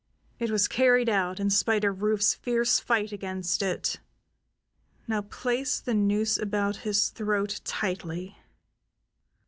It was carried out, in spite of Rufe's fierce fight against it. "Now place the noose about his throat tightly."